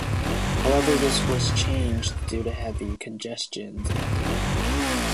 However, this was changed due to heavy congestion at the ramp.